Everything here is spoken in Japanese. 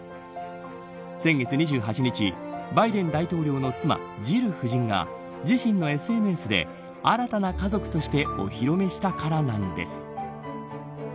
先月２８日バイデン大統領の妻ジル夫人が自身がＳＮＳで新たな家族としてお披露目したからなんです。